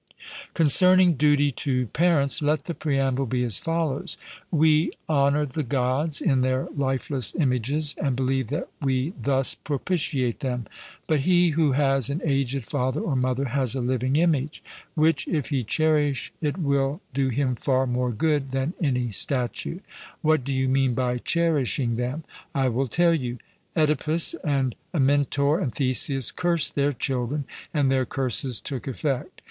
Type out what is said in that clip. Concerning duty to parents, let the preamble be as follows: We honour the Gods in their lifeless images, and believe that we thus propitiate them. But he who has an aged father or mother has a living image, which if he cherish it will do him far more good than any statue. 'What do you mean by cherishing them?' I will tell you. Oedipus and Amyntor and Theseus cursed their children, and their curses took effect.